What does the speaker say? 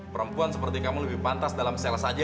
perempuan seperti kamu lebih pantas dalam sel saja